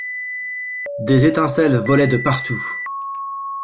Des étincelles volaient de partout.